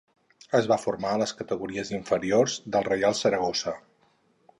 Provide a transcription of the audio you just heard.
Es va formar a les categories inferiors del Reial Saragossa.